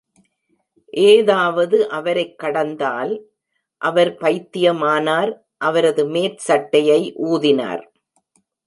ஏதாவது அவரைக் கடந்தால், அவர் பைத்தியமானார், அவரது மேற்சட்டையை ஊதினார்.